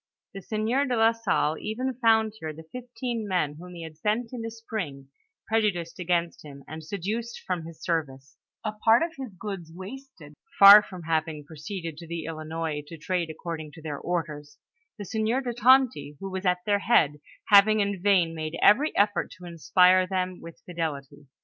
The sieur de la Sdlle even found here the fifteen men, whom he had sent in the spring, prejudiced against him, and seduced from his service ; a part of his goods wasted, far from having proceeded to the Ilinois to trade according to their orders ; the sieur de Tonty, who was at their head, having in vain made every effort to inspire them with fidelity.